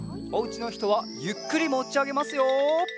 おうちのひとはゆっくりもちあげますよ。